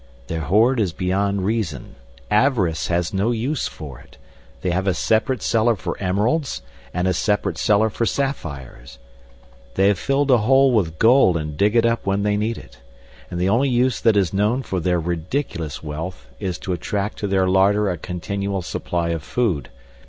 Their hoard is beyond reason; avarice has no use for it; they have a separate cellar for emeralds and a separate cellar for sapphires; they have filled a hole with gold and dig it up when they need it. And the only use that is known for their ridiculous wealth is to attract to their larder a continual supply of food.